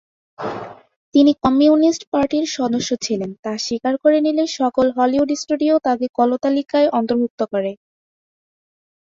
তিনি কমিউনিস্ট পার্টির সদস্য ছিলেন তা স্বীকার করে নিলে সকল হলিউড স্টুডিও তাকে কালোতালিকায় অন্তর্ভুক্ত করে।